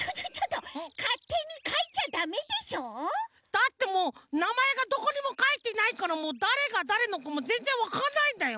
だってもうなまえがどこにもかいてないからだれがだれのかぜんぜんわかんないんだよ